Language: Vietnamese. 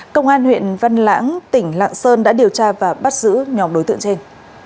công an huyện văn lãng tỉnh lạng sơn đã điều tra và bắt giữ nhóm đối tượng trên